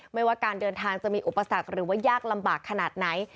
ไม่ว่าการเดินทางจะมีอุปสรรคหรือว่ายากลำบากขนาดไหน